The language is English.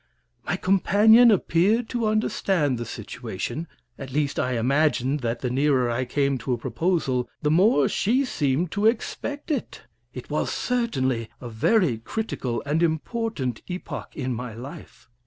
My companion appeared to understand the situation at least, I imagined that the nearer I came to a proposal the more she seemed to expect it. It was certainly a very critical and important epoch in my life.